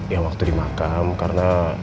ya waktu di makam karena